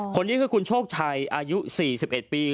คนนี้คือคุณโชคชัยอายุ๔๑ปี